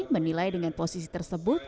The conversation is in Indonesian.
menilai dengan posisi tersebut